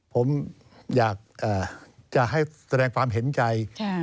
ผมอยากจะให้แสดงความเห็นใจ